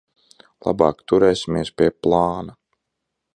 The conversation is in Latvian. Labāk turēsimies pie plāna.